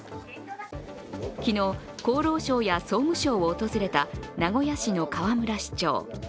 昨日、厚労省や総務省を訪れた名古屋市の河村市長。